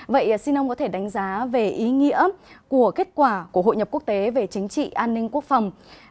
vậy xin ông có thể đánh giá về ý nghĩa của kết quả của hội nhập quốc tế về chính trị an ninh quốc phòng